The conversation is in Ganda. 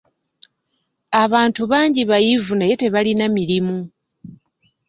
Abantu bangi bayivu naye tebalina mirimu.